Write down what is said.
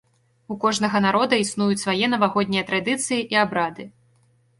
У кожнага народа існуюць свае навагоднія традыцыі і абрады.